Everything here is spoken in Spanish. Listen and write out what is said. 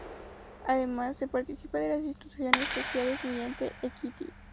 Además, se participa de las instituciones sociales mediante "equity".